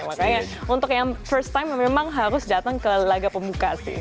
makanya untuk yang first time memang harus datang ke laga pembuka sih